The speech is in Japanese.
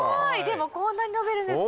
でもこんなに伸びるんですね。